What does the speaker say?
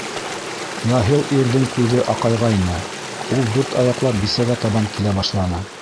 Яһил ирҙең күҙе аҡайғайны, ул дүрт аяҡлап бисәгә табан килә башланы.